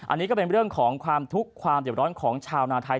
อันนี้ก็เป็นเรื่องของความทุกข์ความเด็บร้อนของชาวนาไทย